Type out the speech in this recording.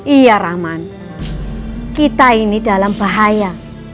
iya rahman kita ini dalam bahaya